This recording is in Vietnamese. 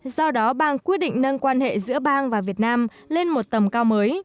do đó bang quyết định nâng quan hệ giữa bang và việt nam lên một tầm cao mới